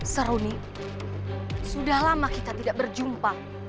seru nih sudah lama kita tidak berjumpa